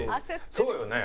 そうよね！